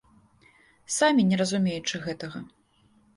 Самі не разумеючы гэтага.